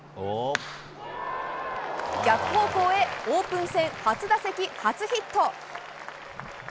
逆方向へオープン戦、初打席初ヒット。